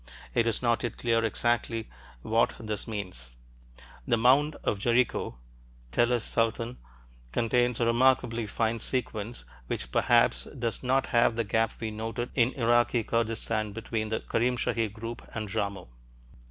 It is not yet clear exactly what this means. The mound at Jericho (Tell es Sultan) contains a remarkably fine sequence, which perhaps does not have the gap we noted in Iraqi Kurdistan between the Karim Shahir group and Jarmo.